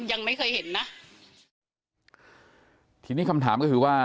ยังไม่เคยเห็นนะทีนี้คำถามก็คือว่า